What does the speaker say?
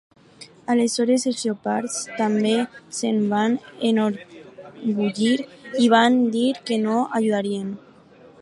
Aleshores, els lleopards també se'n van enorgullir i van dir que no ajudarien.